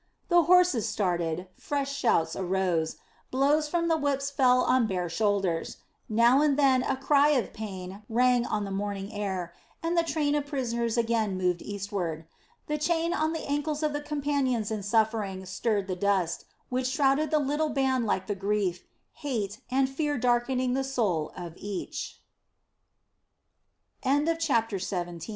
The horses started, fresh shouts arose, blows from the whips fell on bare shoulders, now and then a cry of pain rang on the morning air, and the train of prisoners again moved eastward. The chain on the ancles of the companions in suffering stirred the dust, which shrouded the little band like the grief, hate, and fear darkening the soul of each. CHAPTER XVIII.